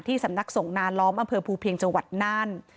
สำนักส่งนาล้อมอำเภอภูเพียงจังหวัดน่าน